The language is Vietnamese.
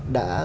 đã rất là